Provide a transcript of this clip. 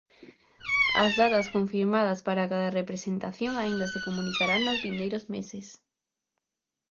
As datas confirmadas para cada representación aínda se comunicarán nos vindeiros meses.